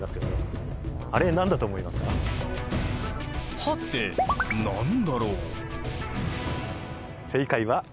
はて何だろう？